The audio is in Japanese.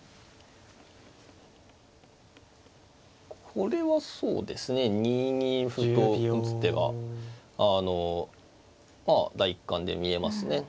これはそうですね２二歩と打つ手があの第一感で見えますね。